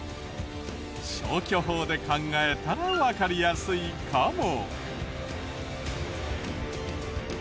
消去法で考えたらわかりやすいかも。